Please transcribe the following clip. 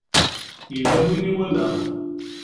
Yella win i walaɣ.